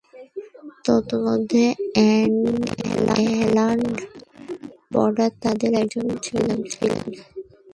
তন্মধ্যে, Alan Border তাদের একজন ছিলেন।